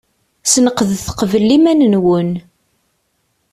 Sneqdet qbel iman-nwen.